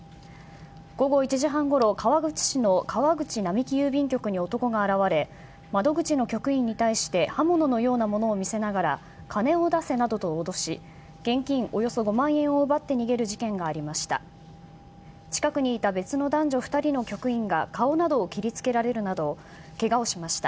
午後１時半ごろ川口市の川口並木郵便局に男が現れ窓口の局員に対して刃物のようなものを見せながら金を出せなどと脅し現金およそ５万円を奪って逃げる事件がありました。